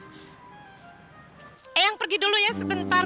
eh yang pergi dulu ya sebentar